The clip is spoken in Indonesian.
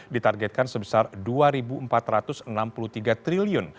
ditargetkan sebesar rp dua empat ratus enam puluh tiga triliun